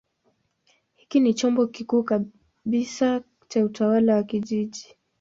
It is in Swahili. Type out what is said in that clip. Hiki ni chombo kikuu kabisa cha utawala wa kijiji.